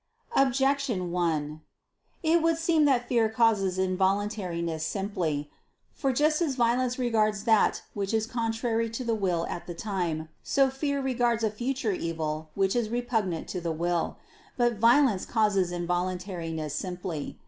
Objection 1: It would seem that fear causes involuntariness simply. For just as violence regards that which is contrary to the will at the time, so fear regards a future evil which is repugnant to the will. But violence causes involuntariness simply.